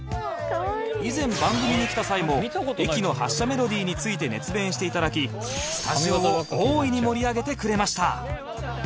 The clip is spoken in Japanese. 以前番組に来た際も駅の発車メロディについて熱弁して頂きスタジオを大いに盛り上げてくれました